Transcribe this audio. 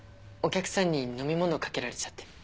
お客さんに飲み物かけられちゃって。